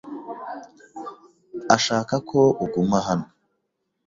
Ashaka ko uguma hano.